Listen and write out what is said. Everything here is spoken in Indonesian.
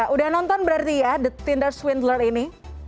udah nonton berarti ya the tinder swindler ini